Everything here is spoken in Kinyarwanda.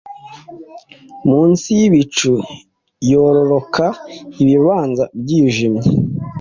munsi y’ibicu yororoka ibibanza byijimye